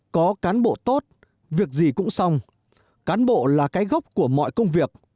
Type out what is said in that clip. có cán bộ tốt việc gì cũng xong cán bộ là cái gốc của mọi công việc